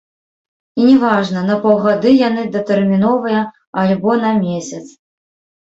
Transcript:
І не важна, на паўгады яны датэрміновыя альбо на месяц.